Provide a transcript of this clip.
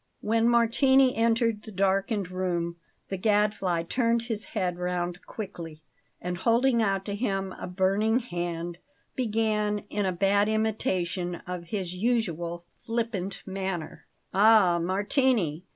When Martini entered the darkened room, the Gadfly turned his head round quickly, and, holding out to him a burning hand, began, in a bad imitation of his usual flippant manner: "Ah, Martini!